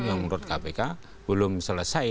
yang menurut kpk belum selesai